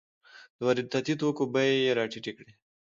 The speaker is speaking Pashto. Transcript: د وارداتي توکو بیې یې راټیټې کړې.